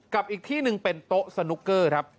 อีกที่หนึ่งเป็นโต๊ะสนุกเกอร์ครับ